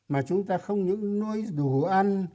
mà chúng ta không những nuôi đủ ăn